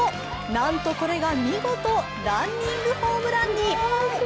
なんとこれが見事ランニングホームランに。